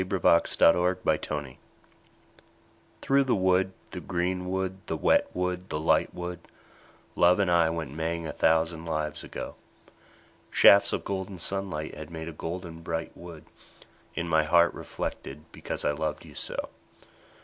ROSEMARY 51 THROUGH THE WOOD THKOUGH the wood, the green wood, the wet wood, the light wood, Love and I went maying a thousand lives ago ; Shafts of golden sunlight had made a golden bright wood In my heart reflected, because I loved you so.